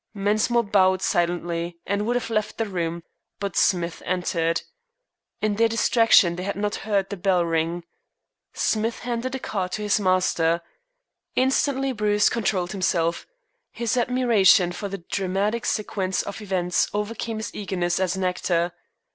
Mensmore bowed silently and would have left the room, but Smith entered. In their distraction they had not heard the bell ring. Smith handed a card to his master. Instantly Bruce controlled himself. His admiration for the dramatic sequence of events overcame his eagerness as an actor.